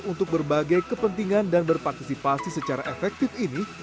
untuk berbagai kepentingan dan berpartisipasi secara efektif ini